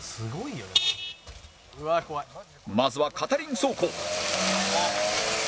まずは片輪走行